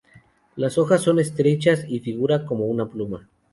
Las hojas son estrechas y figura como una pluma.